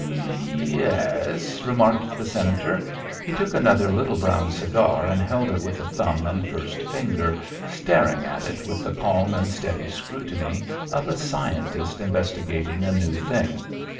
"Ye e es," remarked the Senator. He took another little brown cigar and held it with a thumb and first finger, staring at it with the calm and steady scrutiny of a scientist investigating a new thing.